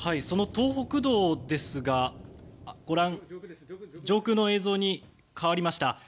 その東北道ですが上空の映像に変わりました。